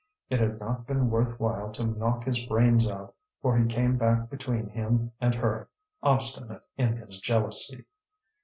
It had not been worth while to knock his brains out, for he came back between him and her, obstinate in his jealousy.